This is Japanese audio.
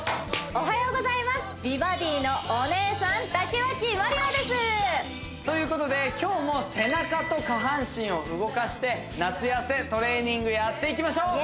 おはようございます美バディのお姉さん竹脇まりなです！ということで今日も背中と下半身を動かして夏痩せトレーニングやっていきましょう！